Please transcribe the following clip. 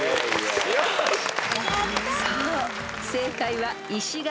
［そう正解は石垣］